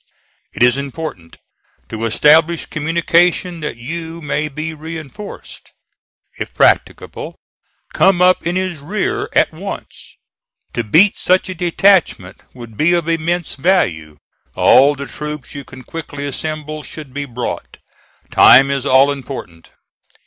It is important to establish communication, that you may be reinforced. If practicable, come up in his rear at once. To beat such a detachment would be of immense value. All the troops you can quickly assemble should be brought. Time is all important."